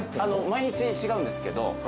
毎日違うんですけど。